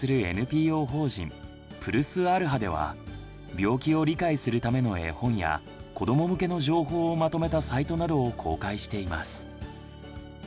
病気を理解するための絵本や子ども向けの情報をまとめたサイトなどを公開しています。